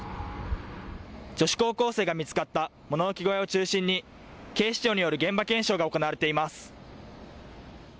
女子高校生が見つかった物置小屋を中心に警視庁による現場検証が行われています。